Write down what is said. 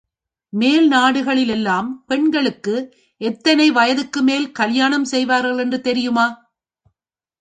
மேல் நாடுகளிலெல்லாம் பெண்களுக்கு எத்தனை வயதுக்குமேல் கலியாணம் செய்வார்கள் என்று தெரியுமா?